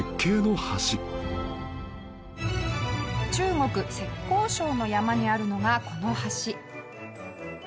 中国浙江省の山にあるのがこの橋。